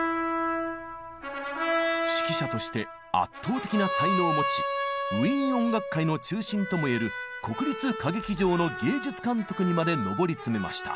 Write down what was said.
指揮者として圧倒的な才能を持ちウィーン音楽界の中心ともいえる国立歌劇場の芸術監督にまで上り詰めました。